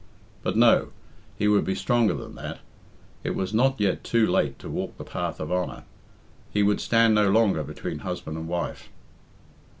But no, he would be stronger than that. It was not yet too late to walk the path of honour. He would stand no longer between husband and wife.